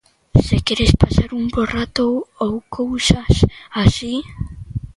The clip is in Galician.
Se queres pasar un bo rato ou cousas así...